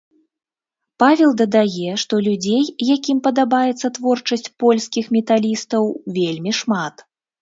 Павел дадае, што людзей, якім падабаецца творчасць польскіх металістаў, вельмі шмат.